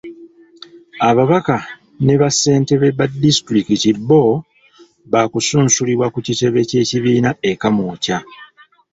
Ababaka ne bassentebe ba disitulikiti bbo baakusunsulibwa ku kitebe ky'ekibiina e Kamwokya.